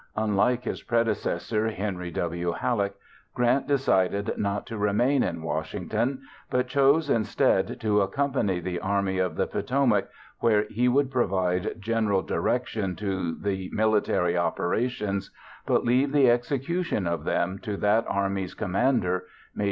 Unlike his predecessor, Henry W. Halleck, Grant decided not to remain in Washington but chose instead to accompany the Army of the Potomac, where he would provide general direction to the military operations but leave the execution of them to that army's commander, Maj.